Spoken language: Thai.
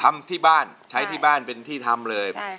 ทำที่บ้านใช้ที่บ้านเป็นที่ทำเลย